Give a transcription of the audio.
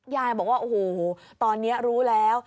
ยายบอกว่าโอ้โหตอนนี้รู้แล้ว